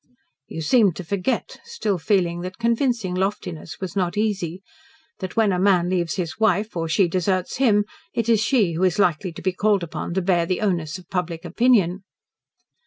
"You seem to forget," still feeling that convincing loftiness was not easy, "that when a man leaves his wife, or she deserts him, it is she who is likely to be called upon to bear the onus of public opinion."